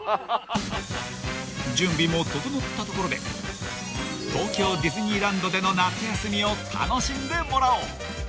［準備も整ったところで東京ディズニーランドでの夏休みを楽しんでもらおう］